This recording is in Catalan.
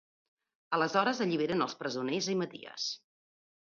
Aleshores alliberen els presoners i Maties.